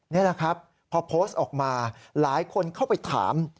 นี่แหละครับพอโพสต์ออกมาหลายคนเข้าไปถาม